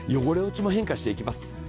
汚れ落ちも変化していきます。